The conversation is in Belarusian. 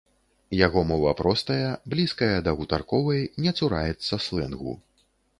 Яго мова простая, блізкая да гутарковай, не цураецца слэнгу.